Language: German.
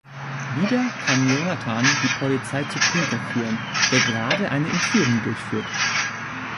Wieder kann Jonathan die Polizei zu Pinker führen, der gerade eine Entführung durchführt.